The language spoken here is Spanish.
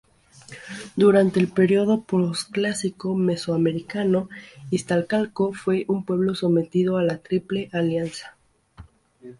Durante el período posclásico mesoamericano, Iztacalco fue un pueblo sometido a la Triple alianza.